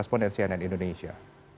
komponensian dan indonesia